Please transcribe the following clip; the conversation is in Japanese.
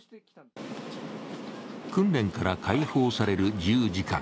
訓練から解放される自由時間。